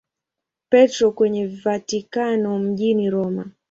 Petro kwenye Vatikano mjini Roma.